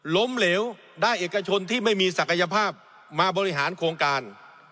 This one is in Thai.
ล้มเหลวได้เอกชนที่ไม่มีศักยภาพมาบริหารโครงการ